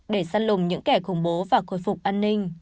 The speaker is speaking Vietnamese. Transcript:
để săn lùng những kẻ khủng bố và khôi phục an ninh